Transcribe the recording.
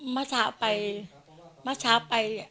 มาเช้าไป